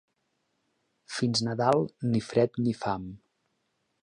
Fins Nadal, ni fred ni fam.